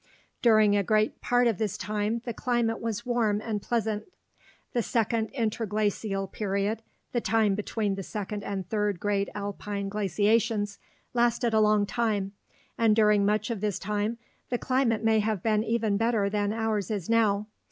During a great part of this time the climate was warm and pleasant. The second interglacial period (the time between the second and third great alpine glaciations) lasted a long time, and during much of this time the climate may have been even better than ours is now.